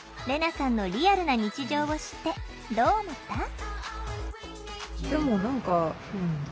レナさんのリアルな日常を知ってどう思った？